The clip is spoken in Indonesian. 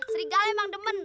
serigala emang demen